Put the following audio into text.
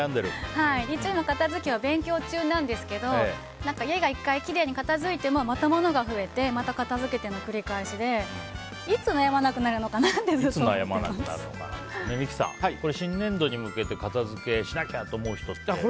一応、片付けは勉強中なんですが家が１回きれいに片付いてもまた物が増えてまた片付けの繰り返しでいつ悩まなくなるのかなって三木さん、新年度に向けて片付けしなきゃと思う人って多いですかね。